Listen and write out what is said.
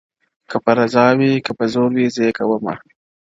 که رضا وي که په زور وي زې کوومه.